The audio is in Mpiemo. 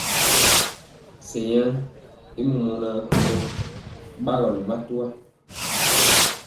Sɛŋ yaŋ i mɔmɔnaa kolɔ gbagɔlɔ matwa.